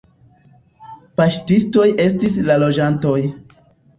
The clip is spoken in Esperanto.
Paŝtistoj estis la loĝantoj.